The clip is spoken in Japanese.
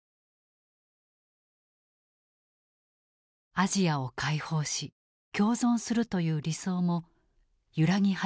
アジアを解放し共存するという理想も揺らぎ始めていた。